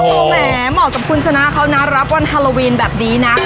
แหมหมอสมคุณชนะเขาน่ารับวันฮาโลวีนแบบนี้นะ